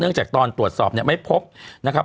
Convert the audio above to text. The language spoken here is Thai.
จากตอนตรวจสอบเนี่ยไม่พบนะครับ